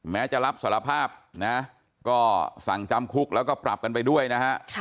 แม้จะรับสารภาพนะก็สั่งจำคุกแล้วก็ปรับกันไปด้วยนะฮะ